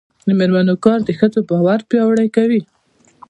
د میرمنو کار د ښځو باور پیاوړی کوي.